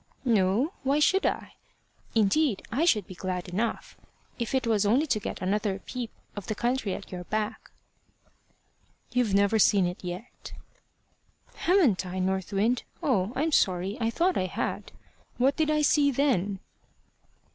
"No. Why should I? Indeed I should be glad enough, if it was only to get another peep of the country at your back." "You've never seen it yet." "Haven't I, North Wind? Oh! I'm so sorry! I thought I had. What did I see then?"